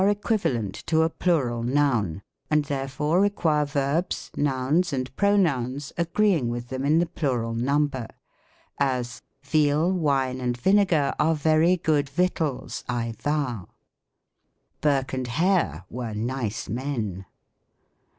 equivalent to a plural noun, and therefore require verbs, nouns, and pronouns, agreeing with them in the plural number : as, " Veal, wine, and vinegar are very good victuals I vow." " Burke and Hare were nice men."